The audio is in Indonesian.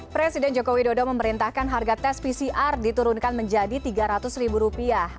presiden joko widodo memerintahkan harga tes pcr diturunkan menjadi rp tiga ratus ribu rupiah